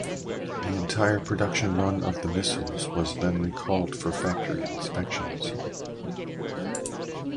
The entire production run of the missiles was then recalled for factory inspections.